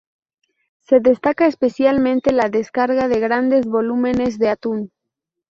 Se destaca especialmente la descarga de grandes volúmenes de atún.